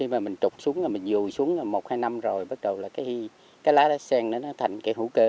mình trục xuống mình dùi xuống một hai năm rồi bắt đầu lá đá sen thành hữu cơ